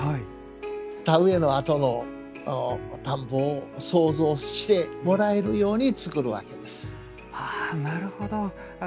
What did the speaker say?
田植えのあとの田んぼを想像してもらえるように作るわけです。